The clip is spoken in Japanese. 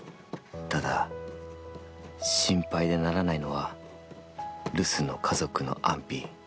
ただ、心配でならないのは留守の家族の安否。